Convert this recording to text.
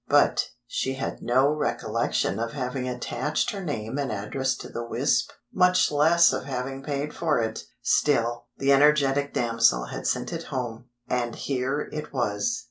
But—she had no recollection of having attached her name and address to the wisp, much less of having paid for it! Still, the energetic damsel had sent it home—and here it was!